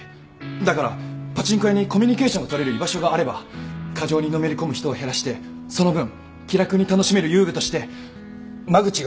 だからパチンコ屋にコミュニケーションをとれる居場所があれば過剰にのめり込む人を減らしてその分気楽に楽しめる遊技として間口が広がるんじゃないかと